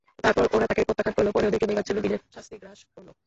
তারপর ওরা তাকে প্রত্যাখ্যান করল, পরে ওদেরকে মেঘাচ্ছন্ন দিনের শাস্তি গ্রাস করল।